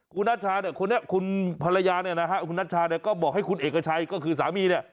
คุณนัชชาเนี่ยคุณนัชชาก็บอกให้คุณเอกชัยก็คือสามีเนี่ย